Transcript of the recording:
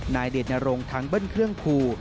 นายเดชน์อารมณ์ทั้งเบิ้ลเครื่องคู่